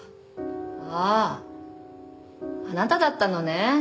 あああなただったのね